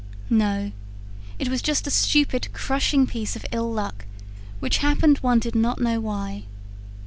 No, it was just a stupid, crushing piece of ill luck, which happened one did not know why.